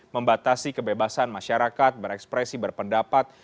membatasi kebebasan masyarakat berekspresi berpendapat